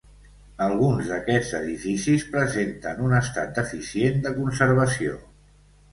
Alguns d'aquests edificis presenten un estat deficient de conservació.